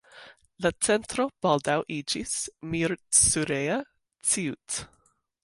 La centro baldaŭ iĝis Miercurea Ciuc.